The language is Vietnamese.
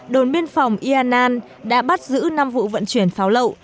đồn biên phòng ia nan đã bắt giữ năm vụ vận chuyển pháo lậu